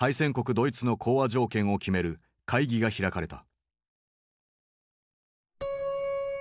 ドイツの講和条件を決める会議が開かれた。